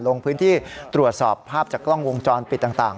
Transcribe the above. ลงพื้นที่ตรวจสอบภาพจากกล้องวงจรปิดต่าง